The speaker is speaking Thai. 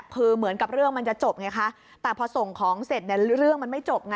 คือเหมือนกับเรื่องมันจะจบไงคะแต่พอส่งของเสร็จเนี่ยเรื่องมันไม่จบไง